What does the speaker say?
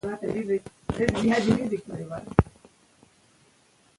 میرویس هوتک د هغه ظلمونه او تېروتنې په خپلو سترګو لیدې.